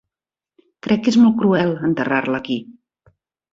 Crec que és molt cruel enterrar-la aquí.